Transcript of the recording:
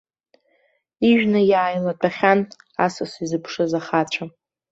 Ижәны иааилатәахьан асас изыԥшыз ахацәа.